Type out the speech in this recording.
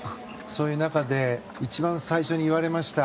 そういう中で一番最初に言われました